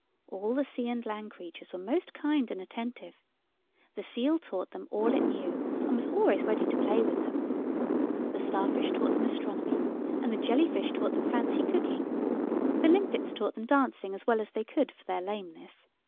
All the sea and land creatures were most kind and attentive. The seal taught them all it knew, and was always ready to play with them. The star fish taught them astronomy, and the jelly fish taught them fancy cooking. The limpets taught them dancing as well as they could for their lameness.